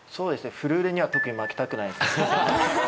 フルーレには特に負けたくないですね